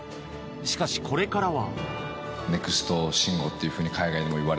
しかし、これからは。